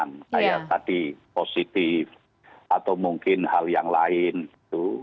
kayak tadi positif atau mungkin hal yang lain gitu